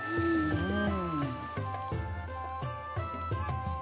うん。